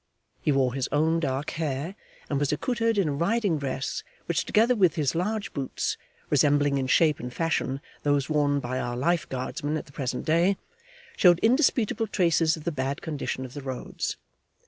He wore his own dark hair, and was accoutred in a riding dress, which together with his large boots (resembling in shape and fashion those worn by our Life Guardsmen at the present day), showed indisputable traces of the bad condition of the roads.